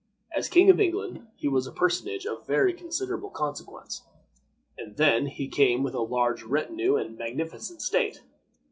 As King of England he was a personage of very considerable consequence, and then he came with a large retinue and in magnificent state.